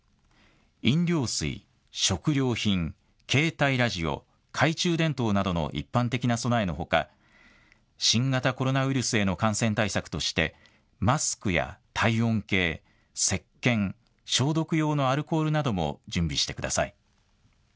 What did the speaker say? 飲料水、食料品、携帯ラジオ、懐中電灯などの一般的な備えのほか新型コロナウイルスへの感染対策としてマスクや体温計せっけん消毒用のアルコールなども準備してください。